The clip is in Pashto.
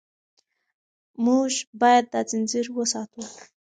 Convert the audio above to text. موږ باید دا ځنځیر وساتو.